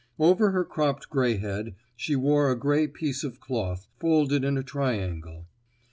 Over her cropped gray head she wore a gray piece of cloth, folded in a triangle.